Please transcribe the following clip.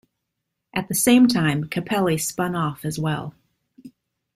At the same time, Capelli spun off as well.